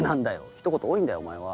ひと言多いんだよお前は。